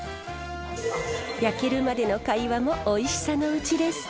焼けるまでの会話もおいしさのうちです。